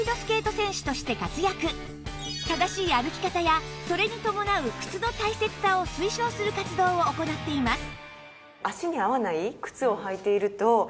正しい歩き方やそれに伴う靴の大切さを推奨する活動を行っています